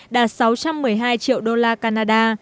đạt sáu trăm một mươi hai triệu đô la canada